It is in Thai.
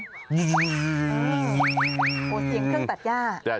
โอ้โหเสียงเครื่องตัดย่า